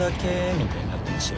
みたいになってましたよ。